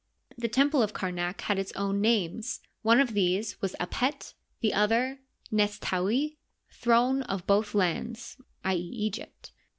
The temple of Kamak had its own names ; one of these was Apet^ the other Nes taui^ "Throne of Both Lands (i.e., Egypt)."